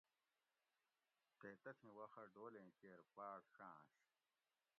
تے تتھیں وخہ ڈولیں کیر پاۤٹ ڛاۤنش